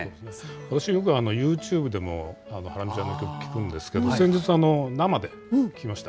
私よく、ユーチューブでもハラミちゃんの曲聴くんですけど、先日、生で聴きました。